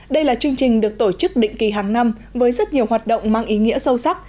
đây là chương trình được tổ chức định kỳ hàng năm với rất nhiều hoạt động mang ý nghĩa sâu sắc